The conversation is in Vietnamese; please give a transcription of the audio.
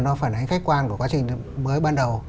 nó phải là khách quan của quá trình mới ban đầu